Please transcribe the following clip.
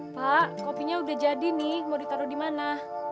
pak kopinya udah jadi nih mau ditaruh dimana